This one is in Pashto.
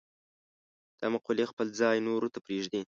دا مقولې خپل ځای نورو ته پرېږدي.